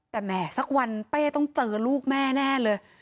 แต่แหมสักวันเป้ต้องเจอลูกแม่แน่เลย